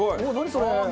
それ！